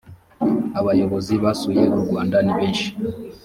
abayobozi basuye u rwanda nibeshi.